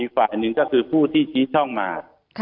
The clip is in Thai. ฝ่ายหนึ่งก็คือผู้ที่ชี้ช่องมา